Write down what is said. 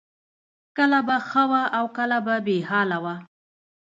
کله به ښه وه او کله به بې حاله وه